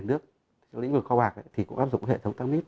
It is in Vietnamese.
trong lĩnh vực kho bạc thì cũng áp dụng hệ thống tăng mít